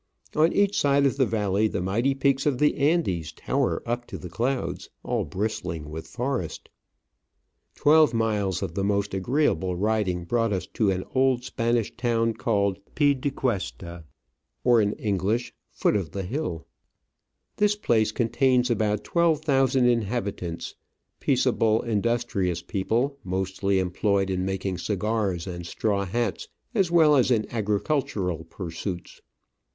On each side of the valley the mighty peaks of the Andes tower up to the clouds, all bristling with forest. Twelve miles of the most agreeable riding brought us to an old Spanish town called Pie de Cuesta, or in English, " Foot of Digitized by VjOOQIC OF AN Orchid Hunter. i i i the Hill." This place contains about 12,000 inhabit ants — peaceable, industrious people, mostly employed in making cigars and straw hats, as well as in agri cultural pursuits.